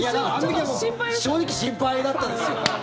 正直心配だったですよ。